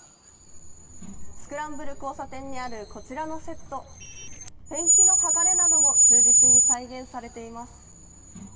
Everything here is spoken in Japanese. スクランブル交差点にあるこちらのセットペンキの剥がれなども忠実に再現されています。